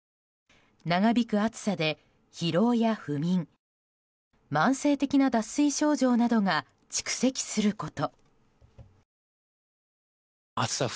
長引く暑さで疲労や不眠慢性的な脱水症状などが蓄積すること。